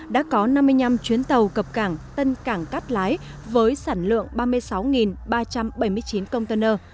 đã có năm mươi năm chuyến tàu cập cảng tân cảng cát lái với sản lượng ba mươi sáu ba trăm bảy mươi chín container